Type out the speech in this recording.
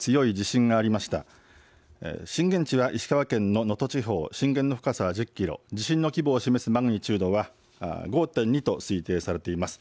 震源地は石川県の能登地方、震源の深さは１０キロ、地震の規模を示すマグニチュードは５．２と推定されています。